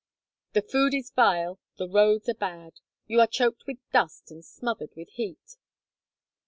The food is vile, the roads are bad. You are choked with dust and smothered with heat.